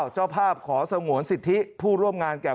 เจ้าภาพขอสงวนสิทธิผู้ร่วมงานแก่